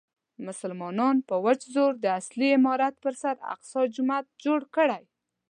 مسلمانانو په وچ زور د اصلي عمارت پر سر اقصی جومات جوړ کړی.